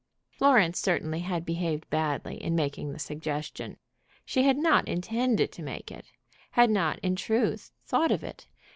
Florence certainly had behaved badly in making the suggestion. She had not intended to make it, had not, in truth, thought of it.